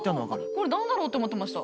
これ何だろうって思ってました。